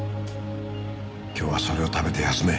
今日はそれを食べて休め。